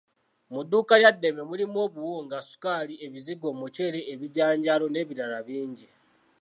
Mu duuka lya Dembe mulimu obuwunga, sukali, ebizigo, omuceere, ebijanjaalo, n'ebirala bingi.